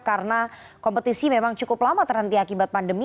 karena kompetisi memang cukup lama terhenti akibat pandemi